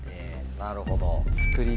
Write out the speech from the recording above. なるほど。